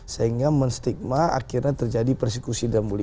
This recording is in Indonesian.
sehingga menstigma akhirnya terjadi persekusi dan bull